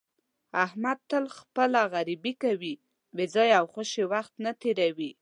احمد تل خپله غریبي کوي، بې ځایه او خوشې وخت نه تېروي.